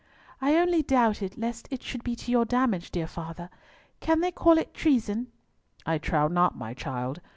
"I only doubted, lest it should be to your damage, dear father. Can they call it treason?" "I trow not, my child.